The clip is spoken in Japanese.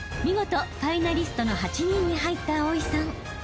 ［見事ファイナリストの８人に入った葵さん］